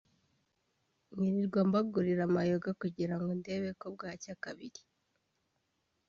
nkirirwa mbagurira amayoga kugirango ndebe ko bwacya kabiri”